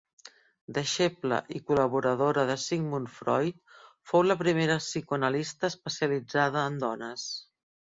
Deixeble i col·laboradora de Sigmund Freud, fou la primera psicoanalista especialitzada en dones.